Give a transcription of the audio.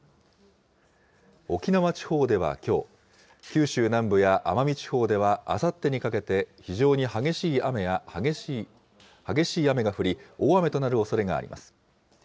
沖縄地方ではきょう、九州南部や奄美地方ではあさってにかけて、非常に激しい雨が降り、大雨となるおそれがあります。